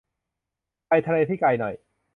ไปทะเลที่ไกลหน่อย